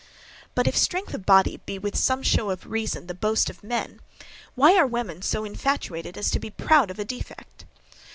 But, if strength of body be, with some show of reason, the boast of men, why are women so infatuated as to be proud of a defect?